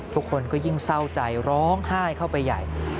ทุกคนก็ยิ่งเศร้าใจร้องไห้เข้าไปใหญ่